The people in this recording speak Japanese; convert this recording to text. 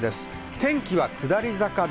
天気は下り坂で、